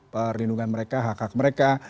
perlindungan mereka hak hak mereka